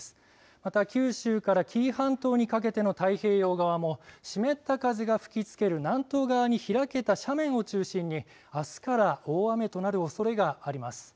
また九州から紀伊半島にかけての太平洋側も湿った風が吹きつける南東側に開けた斜面を中心にあすから大雨となるおそれがあります。